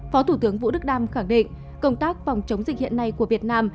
phó thủ tướng vũ đức đam khẳng định công tác phòng chống dịch hiện nay của việt nam